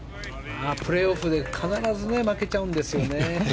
プレーオフで必ず負けちゃうんですよね。